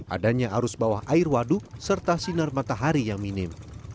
adanya arus bawah air waduk serta sinar matahari yang minim